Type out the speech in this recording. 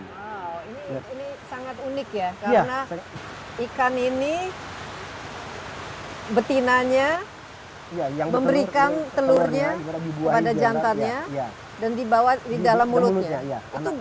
wow ini sangat unik ya karena ikan ini betinanya memberikan telurnya pada jantannya dan dibawa di dalam mulutnya